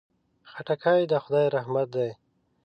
خټکی د خدای رحمت دی.